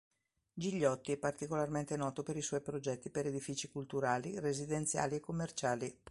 Gigliotti è particolarmente noto per i suoi progetti per edifici culturali, residenziali e commerciali.